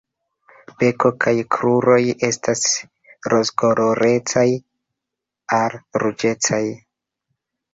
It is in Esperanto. Beko kaj kruroj estas rozkolorecaj al ruĝecaj.